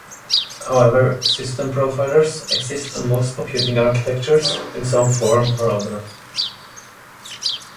However, system profilers exist on most computing architectures in some form or other.